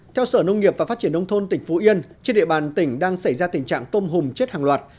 theo sở nông nghiệp và phát triển nông thôn tỉnh phú yên trên địa bàn tỉnh đang xảy ra tình trạng tôm hùm chết hàng loạt